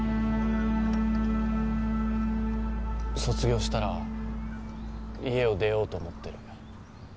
卒業したら家を出ようと思ってる。